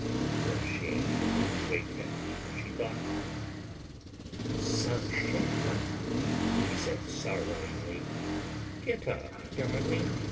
What a shame to have to wake him, she thought. "Sashenka," she said sorrowingly, "get up, darling.